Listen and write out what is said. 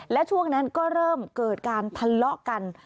และช่วงนั้นก็เริ่มเกิดการทะเลาะกัน